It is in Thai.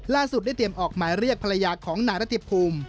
ล่าสุดได้เตรียมออกหมายเรียกภรรยาของนารถิพภูมิ